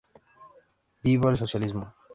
Viva el socialismo.